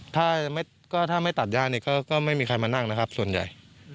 ถ้าถ้าไม่ตัดย่านี่ก็ไม่มีใครมานั่งนะครับส่วนใหญ่